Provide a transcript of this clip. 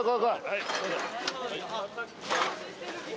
はい。